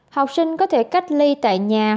học sinh có thể cách ly tại những bệnh viện